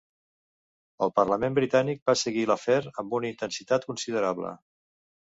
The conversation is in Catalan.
El Parlament britànic va seguir l'afer amb una intensitat considerable.